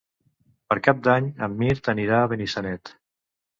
Per Cap d'Any en Mirt anirà a Benissanet.